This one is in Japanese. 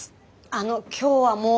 あの今日はもう。